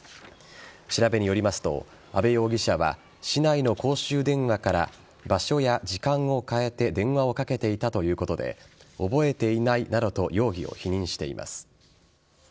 調べによりますと阿部容疑者は市内の公衆電話から場所や時間を変えて電話をかけていたということで覚えていないなどと容疑を否認しています。